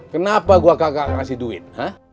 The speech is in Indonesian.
kenapa gua kagak kasih duit